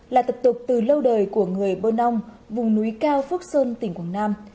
là tập tục từ lâu đời của người bơ non vùng núi cao phước sơn tỉnh quảng nam